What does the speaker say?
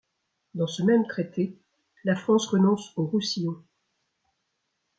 Dans ce même traité, la France renonce au Roussillon.